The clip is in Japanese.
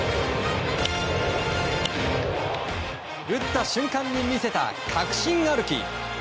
打った瞬間に見せた確信歩き。